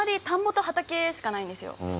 田んぼと畑しかないんですよ。